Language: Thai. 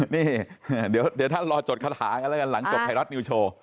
นี่เดี๋ยวท่านรอจดคาถากันแล้วกันหลังจบไทยรัฐนิวโชว์